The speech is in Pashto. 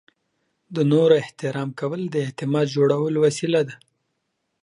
د نورو احترام کول د اعتماد جوړولو وسیله ده.